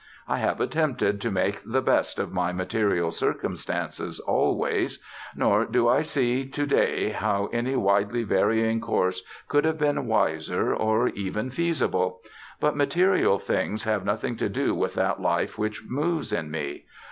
I have attempted to make the best of my material circumstances always; nor do I see to day how any widely varying course could have been wiser or even feasible: but material things have nothing to do with that life which moves in me.